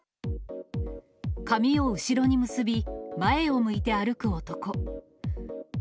髪を後ろに結び、前を向いて歩く男。